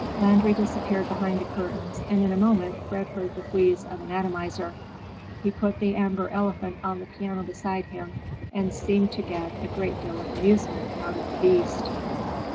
Landry disappeared behind the curtains and in a moment Fred heard the wheeze of an atomizer. He put the amber elephant on the piano beside him and seemed to get a great deal of amusement out of the beast.